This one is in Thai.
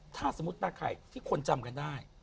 ถ้าสมมุติตาไข่ที่คนจำกันได้